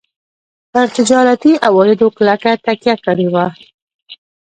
پر تجارتي عوایدو کلکه تکیه کړې وه.